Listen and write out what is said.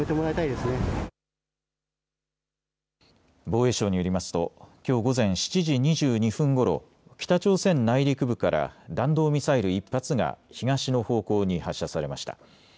防衛省によりますときょう午前７時２２分ごろ、北朝鮮内陸部から弾道ミサイル１発が東の方向に発射されました。